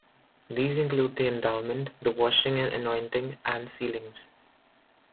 These include the endowment, the washing and anointing, and sealings.